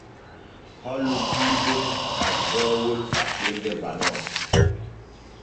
Hollu diidol kaggoowol faɗɗirde banon.